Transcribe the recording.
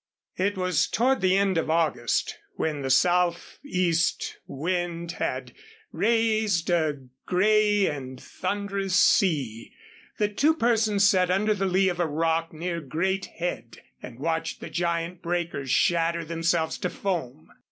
It was toward the end of August when the southeast wind had raised a gray and thunderous sea, that two persons sat under the lee of a rock near Great Head and watched the giant breakers shatter themselves to foam.